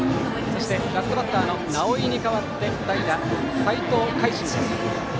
ラストバッターの直井に代わって代打・齊藤開心です。